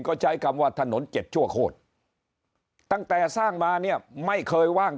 ก็ใช้คำว่าถนนเจ็ดชั่วโคตรตั้งแต่สร้างมาเนี่ยไม่เคยว่าง